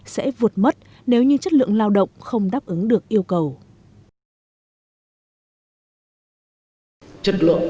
sẽ vụt mất nếu như chất lượng lao động không đáp ứng được yêu cầu